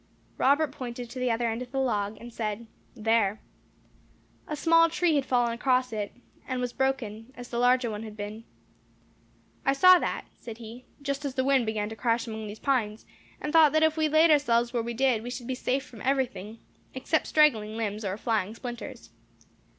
Robert pointed to the other end of the log, and said, "There." A small tree had fallen across it, and was broken, as the larger one had been. "I saw that," said he, "just as the wind began to crash among these pines, and thought that if we laid ourselves where we did, we should be safe from everything, except straggling limbs, or flying splinters."